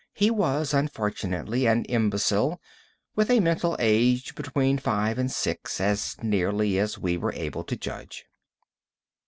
"He was, unfortunately, an imbecile, with a mental age between five and six, as nearly as we were able to judge."